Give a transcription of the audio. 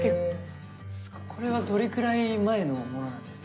これはどれくらい前のものなんですか？